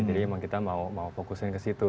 jadi memang kita mau fokusin ke situ